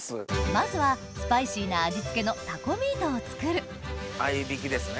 まずはスパイシーな味付けのタコミートを作る合い挽きですね？